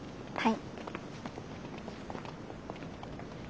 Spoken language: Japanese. はい。